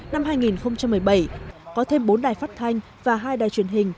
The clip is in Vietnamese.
năm hai nghìn một mươi bảy có thêm bốn đài phát thanh và hai đài truyền hình